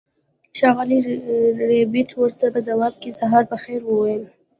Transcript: ښاغلي ربیټ ورته په ځواب کې سهار په خیر وویل